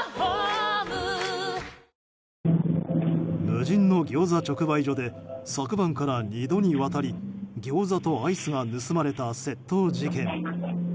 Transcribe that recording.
無人のギョーザ直売所で昨晩から２度にわたりギョーザとアイスが盗まれた窃盗事件。